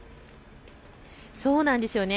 そうなんですよね。